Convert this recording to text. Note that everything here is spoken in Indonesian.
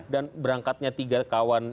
dan berangkatnya tiga kawan